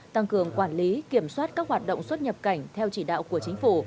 tăng cường quản lý kiểm soát các hoạt động xuất nhập cảnh theo chỉ đạo của chính phủ